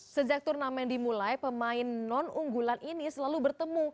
sejak turnamen dimulai pemain non unggulan ini selalu bertemu